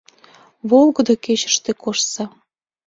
Волгыдо кечыште коштса.